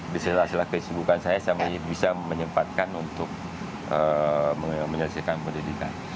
bisa lah bisa lah kesibukan saya sampai bisa menyempatkan untuk menyelesaikan pendidikan